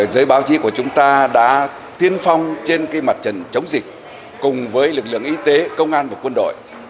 giới báo chí của chúng ta đã thiên phong trên cái mặt trần chống dịch cùng với lực lượng y tế công an và quân đội